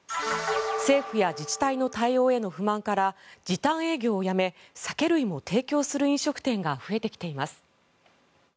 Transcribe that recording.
政府や自治体の対応への不満から時短営業をやめ酒類も提供する飲食店が増えてきています。